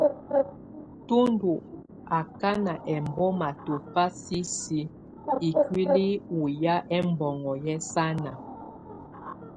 Tù bdɔ̀ ɔkana ɛmbɔ̀má tɔ̀fa sisiǝ́ ikuili ɔ́ yá ɛbɔŋɔ yɛ́ sa nàà.